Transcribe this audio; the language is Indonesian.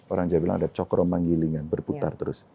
orang jawa bilang ada cokro manggilingan berputar terus